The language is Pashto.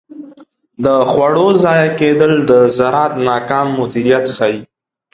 د خوړو ضایع کیدل د زراعت ناکام مدیریت ښيي.